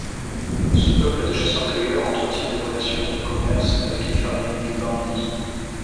Ce peuple de chasseurs-cueilleurs entretient des relations de commerce avec les fermiers Ngbandi.